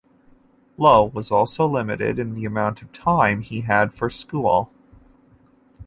Lowe was also limited in the amount of time he had for school.